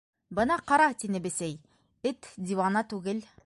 —Бына ҡара, —тине Бесәй, —эт диуана түгел.